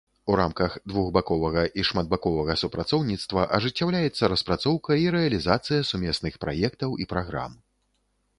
У рамках двухбаковага і шматбаковага супрацоўніцтва ажыццяўляецца распрацоўка і рэалізацыя сумесных праектаў і праграм.